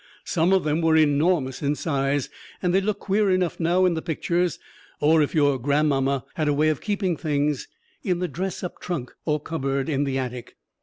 Some of them were enormous in size, and they look queer enough now in the pictures, or if your grandmamma had a way of keeping things in the "dress up" trunk or cupboard in the attic.